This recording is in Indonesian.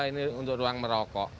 ini untuk ruang merokok